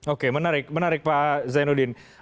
oke menarik menarik pak zainuddin